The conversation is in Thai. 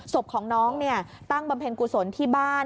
ศพของน้องตั้งบำเพ็ญกุศลที่บ้าน